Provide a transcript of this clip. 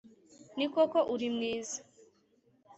Ni koko uri mwiza